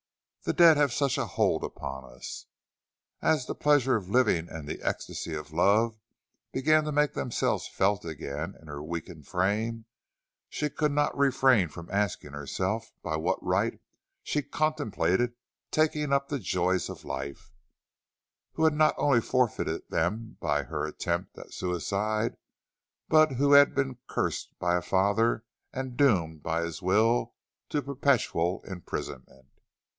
The dead have such a hold upon us. As the pleasure of living and the ecstasy of love began to make themselves felt again in her weakened frame, she could not refrain from asking herself by what right she contemplated taking up the joys of life, who had not only forfeited them by her attempt at suicide, but who had been cursed by a father and doomed by his will to perpetual imprisonment.